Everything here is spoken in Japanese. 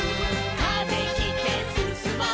「風切ってすすもう」